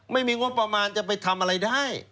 ไม่มีงบประมาณจะไปทำอะไรได้